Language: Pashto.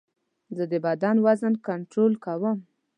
زه د بدن وزن کنټرول کوم.